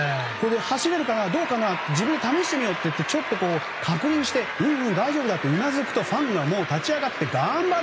走れるかな、どうかな自分で試してみようってちょっと確認してうん、うん大丈夫だとうなずくとうなずくとファンが立ち上がると頑張れ！